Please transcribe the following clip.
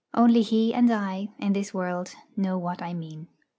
Only he and I, in this world, know what I mean.